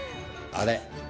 あれ！